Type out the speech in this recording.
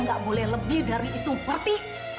gak boleh lebih dari itu ngerti